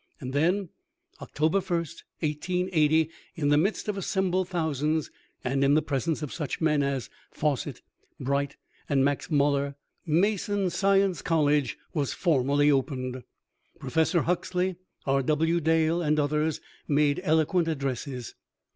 And then, Oct. 1, 1880, in the midst of assembled thousands, and in the presence of such men as Fawcett, Bright, and Max Muller, Mason Science College was formally opened. Professor Huxley, R. W. Dale, and others made eloquent addresses.